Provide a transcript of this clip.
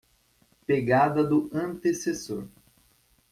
Pegada do antecessor